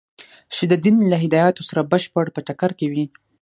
چې د دین له هدایاتو سره بشپړ په ټکر کې وي.